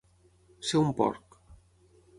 Ser un porc.